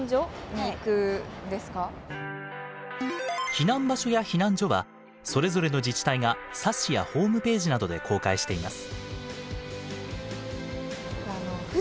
避難場所や避難所はそれぞれの自治体が冊子やホームページなどで公開しています。